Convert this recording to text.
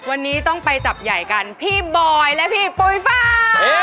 วันนี้ต้องไปจับใหญ่กันพี่บอยและพี่ปุ๋ยฟ้า